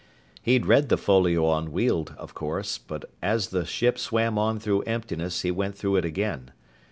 He'd read the folio on Weald, of course, but as the ship swam onward through emptiness he went through it again.